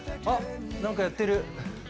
あっ、何かやってる。